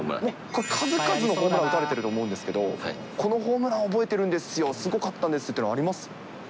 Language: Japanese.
これ、数々のホームラン、打たれていると思うんですけど、このホームラン、覚えてるんですよ、すごかったんですっていうの、あります？